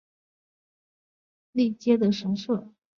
中坜神社为台湾日治时期新竹州中坜郡中坜街的神社。